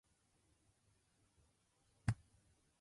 頭を土につけ、口に玉をふくむこと。謝罪降伏するときの儀式のこと。